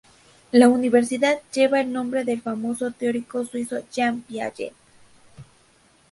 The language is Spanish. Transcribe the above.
La universidad lleva el nombre del famoso teórico suizo Jean Piaget.